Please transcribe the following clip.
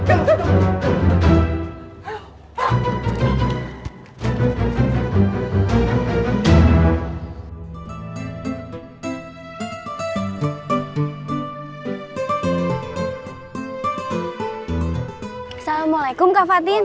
assalamualaikum kak fatin